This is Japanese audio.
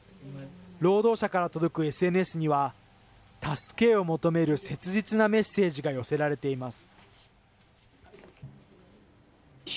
労働者から届くＳＮＳには、助けを求める切実なメッセージが寄せられています。